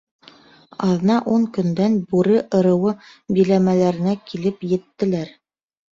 Аҙна-ун көндән Бүре ырыуы биләмәләренә килеп еттеләр.